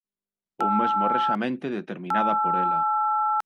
Ou mesmo rexamente determinada por ela.